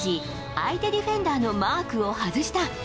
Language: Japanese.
相手ディフェンダーのマークを外した。